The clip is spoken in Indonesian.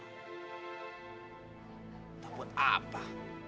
kita buat apa